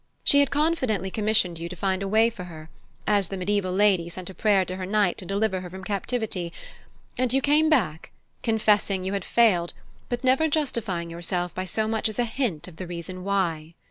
She had confidently commissioned you to find a way for her, as the mediaeval lady sent a prayer to her knight to deliver her from captivity, and you came back, confessing you had failed, but never justifying yourself by so much as a hint of the reason why.